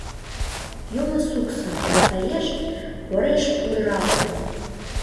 Юмо Суксо, саеш, пореш пуйыралте!